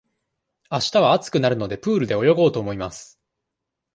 あしたは暑くなるので、プールで泳ごうと思います。